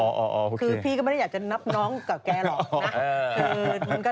คือพี่ก็ไม่ได้อยากจะนับน้องกับแกหรอกนะ